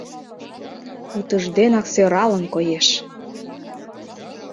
Утыжденак сӧралын коеш.